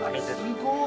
・すごい！